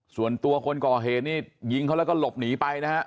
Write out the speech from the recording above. ส่วนตัวคนก่อเหตุนี่ยิงเขาแล้วก็หลบหนีไปนะฮะ